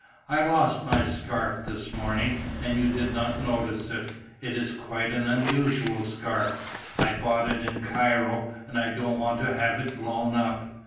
"I lost my scarf this morning, and you did not notice it. It is quite an unusual scarf. I bought it in Cairo, and I don't want to have it blown up."